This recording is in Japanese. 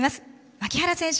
牧原選手